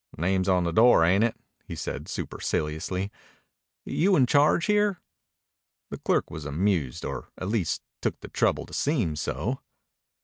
"Name's on the door, ain't it?" he asked superciliously. "You in charge here?" The clerk was amused, or at least took the trouble to seem so.